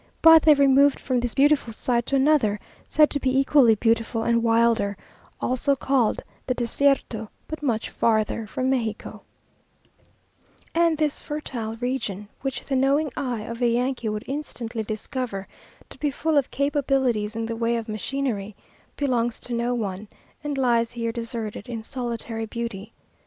But they removed from this beautiful site to another, said to be equally beautiful and wilder, also called the Desierto, but much farther from Mexico; and this fertile region (which the knowing eye of a Yankee would instantly discover to be full of capabilities in the way of machinery), belongs to no one, and lies here deserted, in solitary beauty.